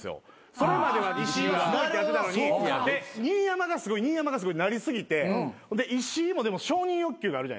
それまでは「石井はすごい」「新山がすごい新山がすごい」ってなり過ぎて石井もでも承認欲求があるじゃないですか。